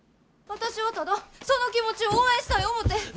私はただその気持ちを応援したい思て。